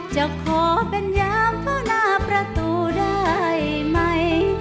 จะขอเป็นยามเฝ้าหน้าประตูได้ไหม